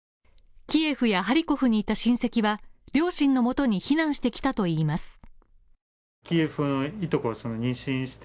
キエフやハリコフにいた親戚は両親のもとに避難してきたといいます。